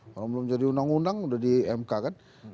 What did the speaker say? kalau belum jadi undang undang sudah di mk kan